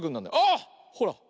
あ！ほら。